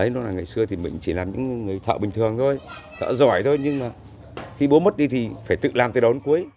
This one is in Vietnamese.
ngày xưa thì mình chỉ là những người thợ bình thường thôi thợ giỏi thôi nhưng mà khi bố mất đi thì phải tự làm tới đó đến cuối